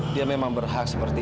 dia memang berhak seperti